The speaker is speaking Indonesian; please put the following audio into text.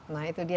nah itu dia